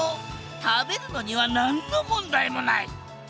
食べるのには何の問題もない。